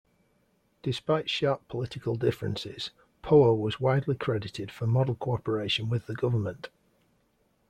Despite sharp political differences, Poher was widely credited for model cooperation with the government.